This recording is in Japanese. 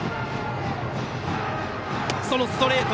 そのストレート！